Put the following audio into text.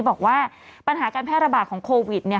บอกว่าปัญหาการแพร่ระบาดของโควิด